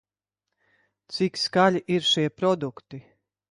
Cik skaļi ir šie produkti?